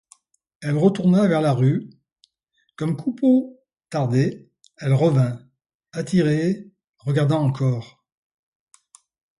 Elle retourna vers la rue; puis, comme Coupeau tardait, elle revint, attirée, regardant encore.